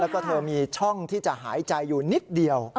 แล้วก็เธอมีช่องที่จะหายใจอยู่นิดเดียว